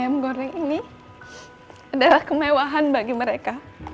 ayam goreng ini adalah kemewahan bagi mereka